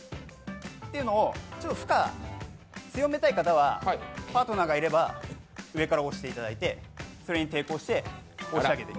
負荷を強めたい方は、パートナーがいれば上から押していただいて、それに抵抗して押し上げて。